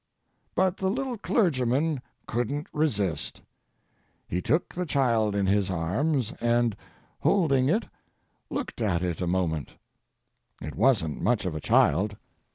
But the little clergyman couldn't resist. He took the child in his arms, and, holding it, looked at it a moment. It wasn't much of a child.